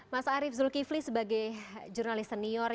mas arief zulkifli sebagai jurnalis senior